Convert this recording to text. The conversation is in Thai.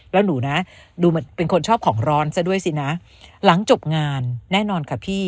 แล้วหนูนะดูเหมือนเป็นคนชอบของร้อนซะด้วยสินะหลังจบงานแน่นอนค่ะพี่